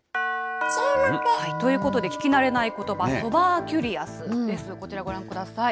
ということで、聞きなれないことば、ソバーキュリアス、こちらご覧ください。